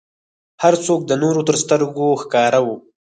هر څوک د نورو تر سترګو ښکاره و.